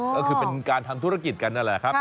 ก็คือเป็นการทำธุรกิจกันนั่นแหละครับ